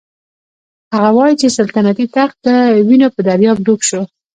هغه وايي چې سلطنتي تخت د وینو په دریاب ډوب شو.